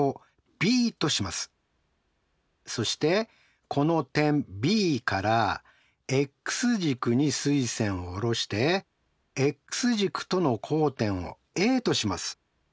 そしてこの点Ｂからｘ軸に垂線を下ろしてｘ軸との交点をＡとします。